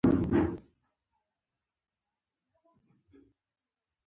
اوس چې يې احمد ته ډم ور وړ؛ نو، راغی او زارۍ کوي.